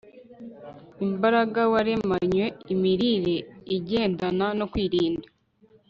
imbaraga waremanywe Imirire igendana no kwirinda